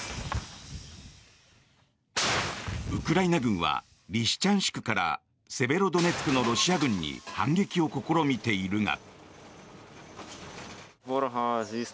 ウクライナ軍はリシチャンシクからセベロドネツクのロシア軍に反撃を試みているが。